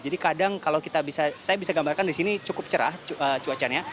jadi kadang kalau kita bisa saya bisa gambarkan di sini cukup cerah cuacanya